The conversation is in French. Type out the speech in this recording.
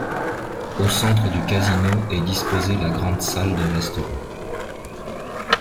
Au centre du casino est disposée la grande salle de restaurant.